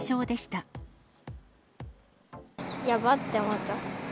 やばって思った。